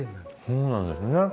そうなんですね。